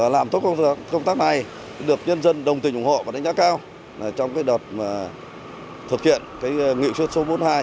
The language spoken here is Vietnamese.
làm tốt công tác này được nhân dân đồng tình ủng hộ và đánh giá cao trong đợt thực hiện nghị quyết số bốn mươi hai